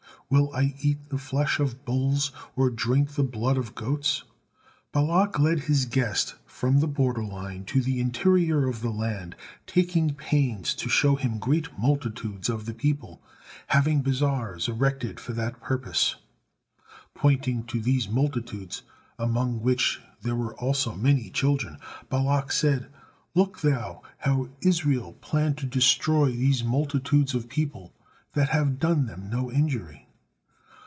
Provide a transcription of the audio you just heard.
Will I eat the flesh of bulls, or drink the blood of goats?" Balak led his guest from the border line to the interior of the land, taking pains to show him great multitudes of the people, having bazaars erected for that purpose. Pointing to these multitudes, among which there were also may children, Balak said, "Look thou, how Israel plan to destroy these multitudes of people that have done them no injury."